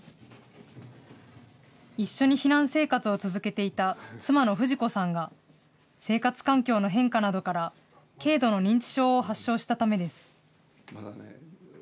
一緒に避難生活を続けていた妻の藤子さんが生活環境の変化などから、軽度の認知症を発症したためです。